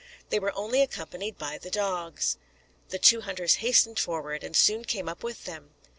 They were only accompanied by the dogs. The two hunters hastened forward, and soon came up with them.